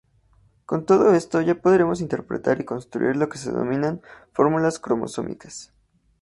Con todo esto ya podríamos interpretar y construir lo que se denominan "fórmulas cromosómicas".